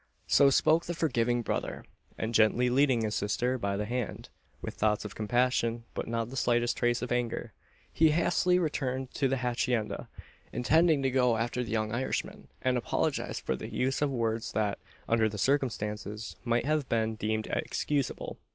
So spoke the forgiving brother; and gently leading his sister by the hand, with thoughts of compassion, but not the slightest trace of anger, he hastily returned to the hacienda intending to go after the young Irishman, and apologise for the use of words that, under the circumstances, might have been deemed excusable.